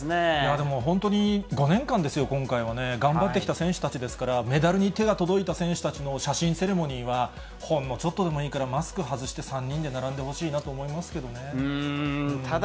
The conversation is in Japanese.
でも本当に５年間ですよ、今回はね。頑張ってきた選手たちですから、メダルに手が届いた選手たちの写真セレモニーは、ほんのちょっとでもいいから、マスク外して３人で並んでほしいなと思いますけどただ